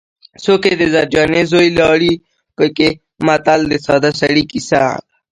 څوک یې د زرجانې زوی لاړې پکې متل د ساده سړي کیسه ده